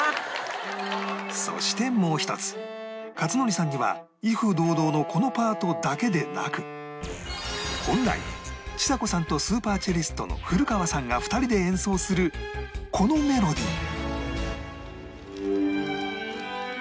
そしてもう１つ克典さんには『威風堂々』のこのパートだけでなく本来ちさ子さんとスーパーチェリストの古川さんが２人で演奏するこのメロディー